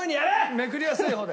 めくりやすい方で。